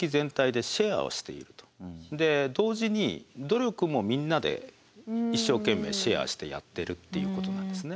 で同時に努力もみんなで一生懸命シェアしてやってるということなんですね。